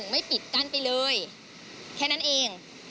ไม่ปิดกั้นไปเลยแค่นั้นเอง